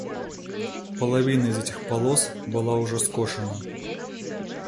Половина из этих полос была уже скошена.